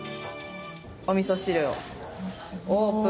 お味噌汁をオープン。